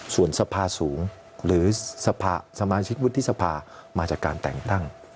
ส่วนสภาสูงหรือสมาชิกวุฒิสภามาจากการแต่งตั้ง